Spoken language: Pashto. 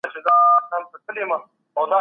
پښتانه د نفوس لویه برخه جوړوي.